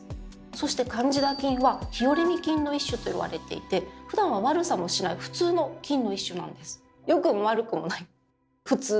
そしてカンジダ菌は日和見菌の一種といわれていてふだんは悪さもしない普通の菌の一種なんです。